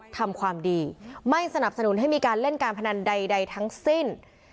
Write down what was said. ทำความดีไม่สนับสนุนให้มีการเล่นการพนันใดทั้งสิ้น